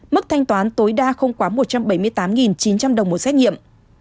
mức thanh toán tối đa không quá một trăm bảy mươi tám chín trăm linh đồng một xét nghiệm